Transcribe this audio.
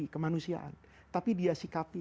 kemanusiaan tapi dia sikapi